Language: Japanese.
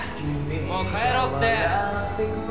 もう帰ろうって。